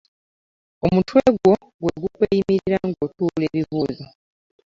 Omutwe gwo gwe gukweyimirira ng'otuula ebibuuzo.